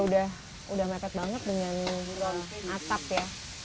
saya udah melekat banget dengan atap ya